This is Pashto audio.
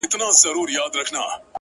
راته شعرونه ښكاري ـ